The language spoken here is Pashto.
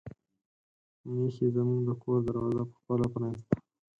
میښې زموږ د کور دروازه په خپله پرانیسته.